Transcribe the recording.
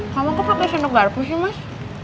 kamu kok pake sendok garpu sih mas